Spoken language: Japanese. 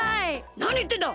なにいってんだ！